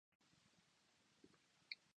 シータ